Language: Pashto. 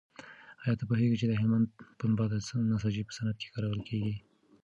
ایا ته پوهېږې چې د هلمند پنبه د نساجۍ په صنعت کې کارول کېږي؟